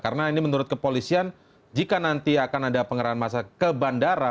karena ini menurut kepolisian jika nanti akan ada pengerahan massa ke bandara